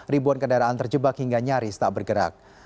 ribuan kendaraan terjebak hingga nyaris tak bergerak